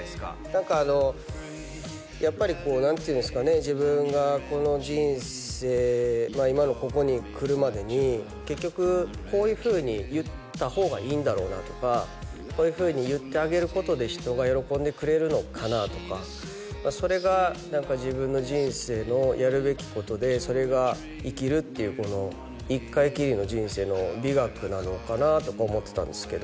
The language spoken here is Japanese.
何かやっぱりこう何ていうんですかね自分がこの人生今のここに来るまでに結局こういうふうに言った方がいいんだろうなとかこういうふうに言ってあげることで人が喜んでくれるのかなとかそれが自分の人生のやるべきことでそれが生きるっていう一回きりの人生の美学なのかなとか思ってたんですけど